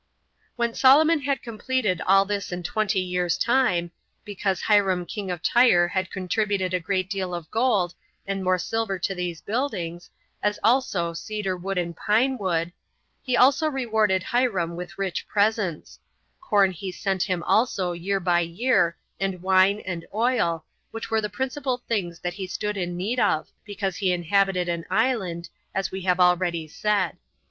3. When Solomon had completed all this in twenty years' time, because Hiram king of Tyre had contributed a great deal of gold, and more silver to these buildings, as also cedar wood and pine wood, he also rewarded Hiram with rich presents; corn he sent him also year by year, and wine and oil, which were the principal things that he stood in need of, because he inhabited an island, as we have already said.